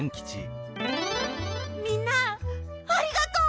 みんなありがとう！